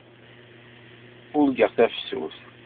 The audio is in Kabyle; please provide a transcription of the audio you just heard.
Urgaɣ tafsut.